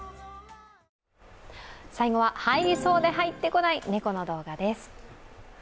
最後は入りそうで入ってこない猫の動画です。